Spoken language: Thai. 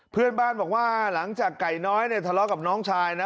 เพื่อนบ้านบอกว่าหลังจากไก่น้อยเนี่ยทะเลาะกับน้องชายนะ